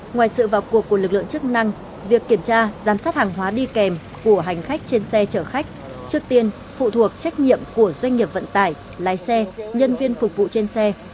ngoài sự vào cuộc của lực lượng chức năng việc kiểm tra giám sát hàng hóa đi kèm của hành khách trên xe chở khách trước tiên phụ thuộc trách nhiệm của doanh nghiệp vận tải lái xe nhân viên phục vụ trên xe